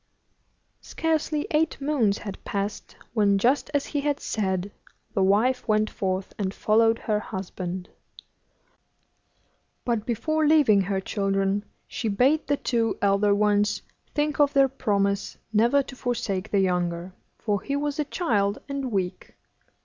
Scarcely eight moons had passed when, just as he had said, the wife went forth, and followed her husband; but before leaving her children she bade the two elder ones think of their promise never to forsake the younger, for he was a child, and weak.